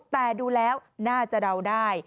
แต่ดูแล้วน่าจะเดาได้